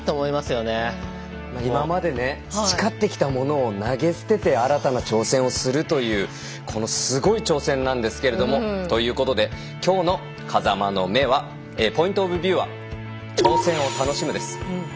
今まで今まで培ってきたものを投げ捨てて新たな挑戦をするというこのすごい挑戦なんですけれども。ということできょうの「風間の目」はポイント・オブ・ビューは挑戦を楽しむです。